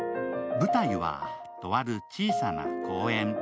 舞台はとある小さな公園。